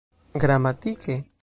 gramatike